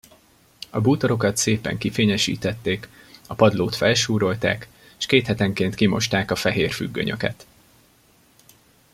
A bútorokat szépen kifényesítették, a padlót felsúrolták, s kéthetenként kimosták a fehér függönyöket...